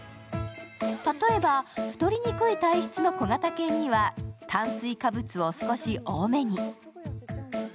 例えば、太りにくい体質の小型犬には炭水化物を少し多めに。